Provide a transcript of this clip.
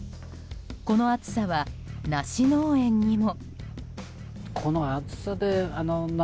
この暑さは梨農園にも。